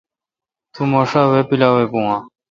تو مہ شا وے°پیلاویباہ؟